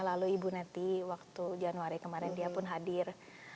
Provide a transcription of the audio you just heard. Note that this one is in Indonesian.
lalu ibu neti waktu januari kemarin dia pun hadir